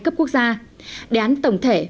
cấp quốc gia đán tổng thể